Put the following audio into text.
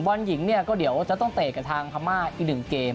บอลหญิงเนี่ยก็เดี๋ยวจะต้องเตะกับทางพม่าอีกหนึ่งเกม